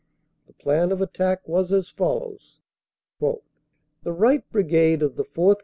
The plan of attack was as follows : "The right Brigade of the 4th.